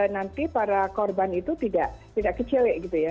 nanti para korban itu tidak kecelek gitu ya